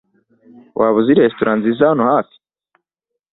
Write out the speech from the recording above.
Waba uzi resitora nziza hano hafi?